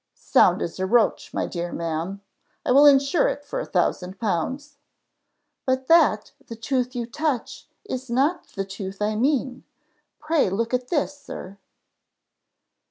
"Sound as a roach, my dear ma'am; I will insure it for a thousand pounds." "But that, the tooth you touch, is not the tooth I mean: pray look at this, sir?"